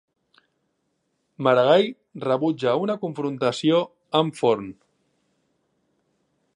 Maragall rebutja una confrontació amb Forn